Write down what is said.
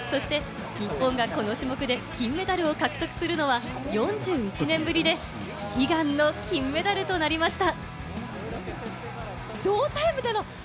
そして日本がこの種目で金メダルを獲得するのは４１年ぶりで、悲願の金メダルとなりました。